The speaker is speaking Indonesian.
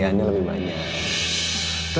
jadi aku merepotin kamu